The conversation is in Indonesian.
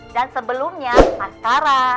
dan sebelumnya asqara